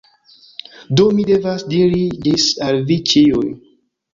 Do, mi devas diri ĝis al vi ĉiuj